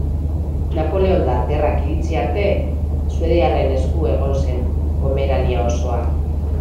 Napoleondar Gerrak iritsi arte Suediarren esku egon zen Pomerania osoa.